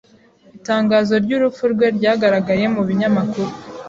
Itangazo ryurupfu rwe ryagaragaye mu binyamakuru.